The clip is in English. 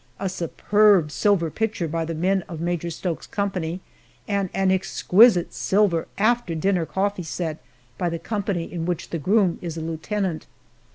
A superb silver pitcher by the men of Major Stokes's company, and an exquisite silver after dinner coffee set by the company in which the groom is a lieutenant.